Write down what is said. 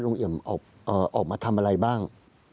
เอี่ยมออกมาทำอะไรบ้าง